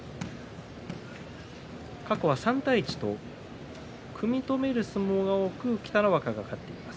過去は３対１と組み止める相撲が多く北の若が勝っています。